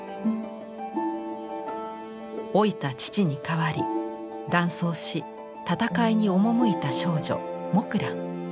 老いた父に代わり男装し戦いに赴いた少女木蘭。